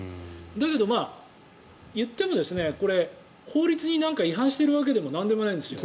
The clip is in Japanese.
だけど、言っても法律に違反しているわけでもなんでもないんですよ。